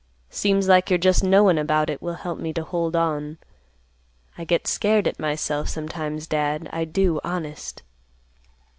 Seems like your just knowin' about it will help me to hold on. I get scared at myself sometimes, Dad, I do, honest."